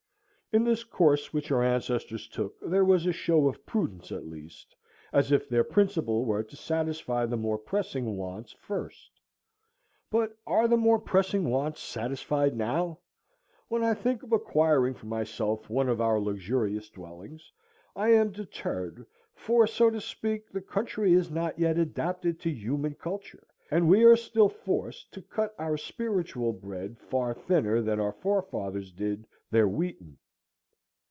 In this course which our ancestors took there was a show of prudence at least, as if their principle were to satisfy the more pressing wants first. But are the more pressing wants satisfied now? When I think of acquiring for myself one of our luxurious dwellings, I am deterred, for, so to speak, the country is not yet adapted to human culture, and we are still forced to cut our spiritual bread far thinner than our forefathers did their wheaten.